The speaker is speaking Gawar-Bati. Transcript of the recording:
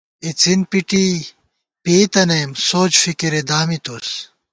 اِڅِن پِٹی پېئ تنَئیم، سوچ فِکِرے دامِتُوس